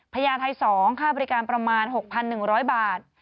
พญาไทย๒ค่าบริการประมาณ๖๑๐๐บาท